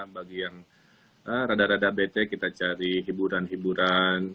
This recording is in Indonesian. bagi yang rada rada bete kita cari hiburan hiburan